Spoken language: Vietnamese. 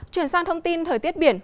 chuyển sang thông tin thời tiết biển